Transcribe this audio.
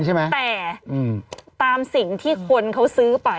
แต่ตามสิ่งที่คนเขาซื้อไป